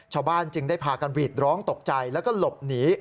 ชาวบ้านจึงได้พากันหวีดร้องตกใจแล้วก็หลบหนี